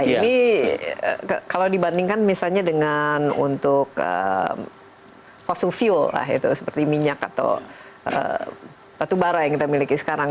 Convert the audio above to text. ini kalau dibandingkan misalnya dengan untuk fossil fuel lah itu seperti minyak atau batu bara yang kita miliki sekarang